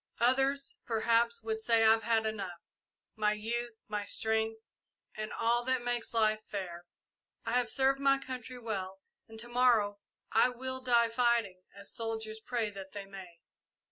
Others, perhaps, would say I have had enough my youth, my strength, and all that makes life fair. I have served my country well and to morrow I die fighting, as soldiers pray that they may.